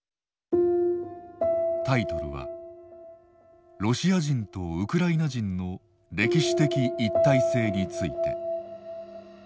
タイトルは「ロシア人とウクライナ人の歴史的一体性について」。